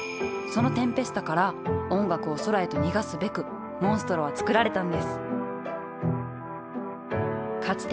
そのテンペスタから音楽を空へと逃がすべくモンストロは作られたんですか